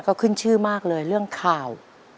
ก็ขึ้นชื่อมากเลยเรื่องข่าว